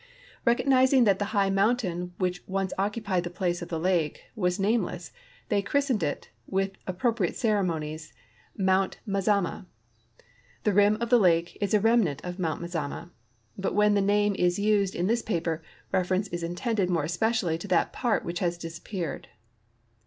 Recognizing that the high mountain which once occupied the place of the lake was name less, they christened it, with appropriate ceremonies. Mount Mazama. The rim of the lake is a remnant of Mount Mazama, but when the name is used in this paper reference is intended more especially to that part which has disappeared.